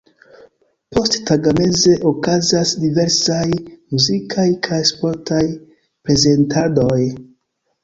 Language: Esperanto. Posttagmeze okazas diversaj muzikaj kaj sportaj prezentadoj.